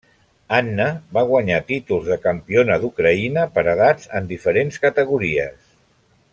Anna va guanyar títols de campiona d'Ucraïna per edats en diferents categories.